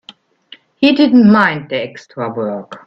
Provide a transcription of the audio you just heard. He didn't mind the extra work.